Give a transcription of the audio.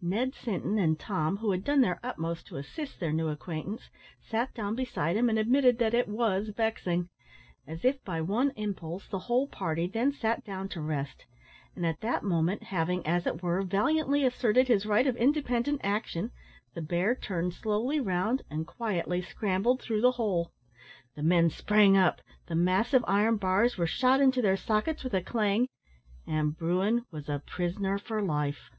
Ned Sinton and Tom, who had done their utmost to assist their new acquaintance, sat down beside him and admitted that it was vexing. As if by one impulse, the whole party then sat down to rest, and at that moment, having, as it were, valiantly asserted his right of independent action, the bear turned slowly round and quietly scrambled through the hole. The men sprang up; the massive iron bars were shot into their sockets with a clang; and bruin was a prisoner for life.